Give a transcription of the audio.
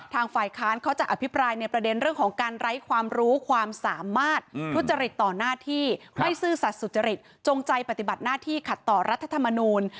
ฝ่ายค้านเขาจะอภิปรายในประเด็นเรื่องของการไร้ความรู้ความสามารถทุจริตต่อหน้าที่ไม่ซื่อสัตว์สุจริตจงใจปฏิบัติหน้าที่ขัดต่อรัฐธรรมนูล